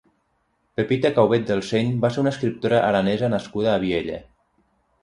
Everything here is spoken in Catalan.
Pepita Caubet Delseny va ser una escriptora aranesa nascuda a Viella.